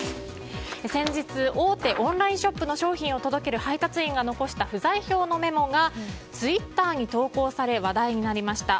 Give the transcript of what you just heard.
先日、大手オンラインショップの商品を届ける配達員の残した不在表のメモがツイッターに投稿され話題になりました。